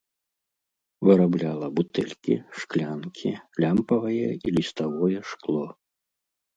Вырабляла бутэлькі, шклянкі, лямпавае і ліставое шкло.